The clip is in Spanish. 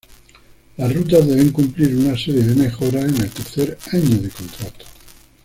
Las rutas deben cumplir una serie de mejoras en el tercer año de contrato.